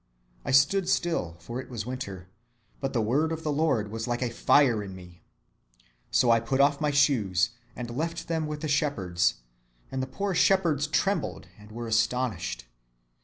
I stood still, for it was winter: but the word of the Lord was like a fire in me. So I put off my shoes, and left them with the shepherds; and the poor shepherds trembled, and were astonished.